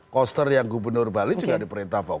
koster yang gubernur bali juga diperintah fokus